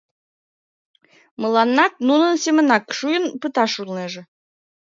Мыланнат нунын семынак шӱйын пыташ улнеже.